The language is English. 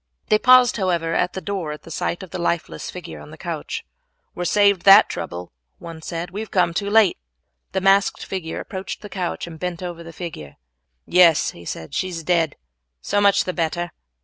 They paused, however, at the door at the sight of the lifeless figure on the couch. "We are saved that trouble," one said, "we have come too late." The masked figure approached the couch and bent over the figure. "Yes," he said, "she is dead, and so much the better."